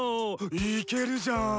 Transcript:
いけるじゃん。